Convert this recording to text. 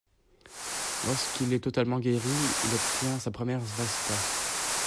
Lorsqu'il est totalement guéri, il obtient, sa première Vespa.